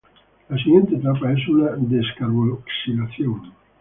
La siguiente etapa es una descarboxilación.